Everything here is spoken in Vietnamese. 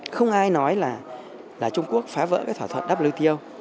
không ai nói là trung quốc phá vỡ cái thỏa thuận wto